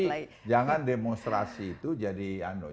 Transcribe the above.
tapi jangan demonstrasi itu jadi